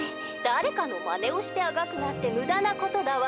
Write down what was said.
「だれかのまねをしてあがくなんてむだなことだわ」。